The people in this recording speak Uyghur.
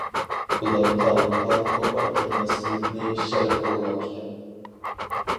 ئۇلار تاۋۇتقا توپا كىرمەسلىكنى شەرت قىلغان ئىكەن.